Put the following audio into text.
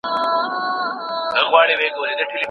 په لویه جرګه کي د نړیوالو څارونکو ونډه څنګه وي؟